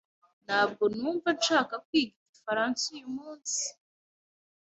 Ntabwo numva nshaka kwiga igifaransa uyumunsi.